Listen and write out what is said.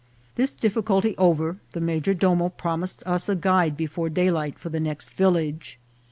This difficulty over, the major domo promised us a guide before daylight for the next village.